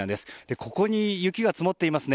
ここに雪が積もっていますね。